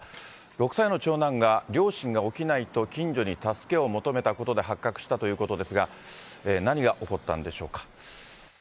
６歳の長男が、両親が起きないと近所に助けを求めたことで発覚したということですが、何が起こったんでしょうか。